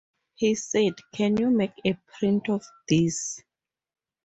He said, 'Can you make a print of these?